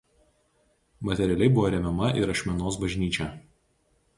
Materialiai buvo remiama ir Ašmenos bažnyčia.